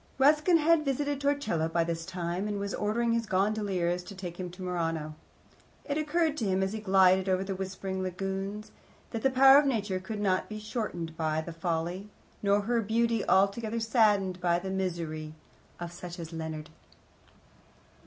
Ruskin had visited Torcello by this time, and was ordering his gondoliers to take him to Murano. It occurred to him, as he glided over the whispering lagoons, that the power of Nature could not be shortened by the folly, nor her beauty altogether saddened by the misery, of such as Leonard.